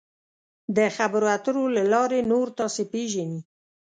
د خبرو اترو له لارې نور تاسو پیژني.